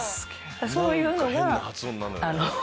そういうのが。